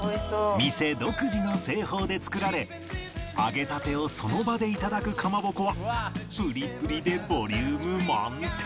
店独自の製法で作られ揚げたてをその場で頂くかまぼこはプリプリでボリューム満点